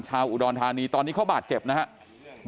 ชาวอุดรธานีตอนนี้เขาบาดเจ็บนะครับ